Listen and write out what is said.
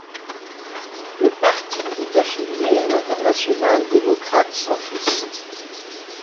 Le parti est affilié à l'Internationale démocrate centriste.